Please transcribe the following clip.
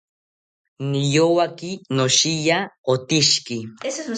Niyowaki noshiya otishiki